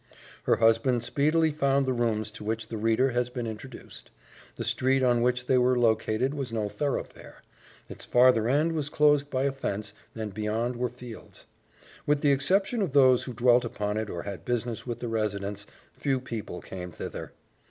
Her husband speedily found the rooms to which the reader has been introduced. The street on which they were located was no thoroughfare. Its farther end was closed by a fence and beyond were fields. With the exception of those who dwelt upon it or had business with the residents, few people came thither.